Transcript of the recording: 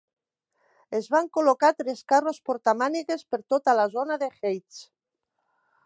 Es van col·locar tres carros portamànegues per tota la zona de Heights.